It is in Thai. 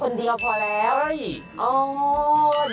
คนเดียวพอแล้ว